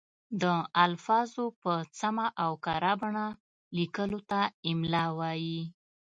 د الفاظو په سمه او کره بڼه لیکلو ته املاء وايي.